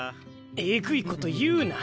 えぐいこと言うな。